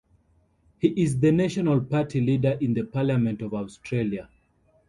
He is the National Party leader in the Parliament of Australia.